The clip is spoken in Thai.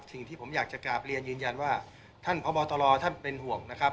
สิ่งที่ผมอยากจะกราบเรียนยืนยันว่าท่านพบตรท่านเป็นห่วงนะครับ